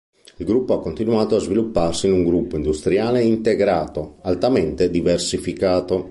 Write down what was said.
Il Gruppo ha continuato a svilupparsi in un Gruppo industriale integrato, altamente diversificato.